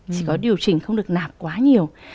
chỉ có điều chỉnh không được nạp quá nhiều